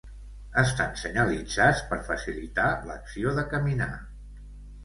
Estan senyalitzats per facilitar l’acció de caminar.